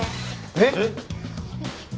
えっ！？